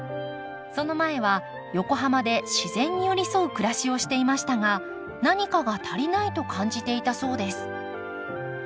その前は横浜で自然に寄り添う暮らしをしていましたが何かが足りないと感じていたそうです。